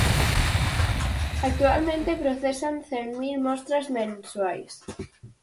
Actualmente procesan cen mil mostras mensuais.